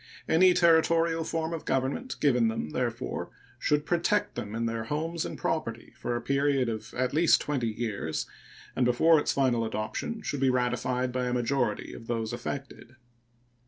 Any Territorial form of government given them, therefore, should protect them in their homes and property for a period of at least twenty years, and before its final adoption should be ratified by a majority of those affected.